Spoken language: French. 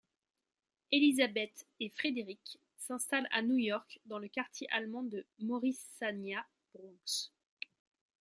Elisabeth et Frédéric s'installent à New York dans le quartier allemand de Morrisania, Bronx.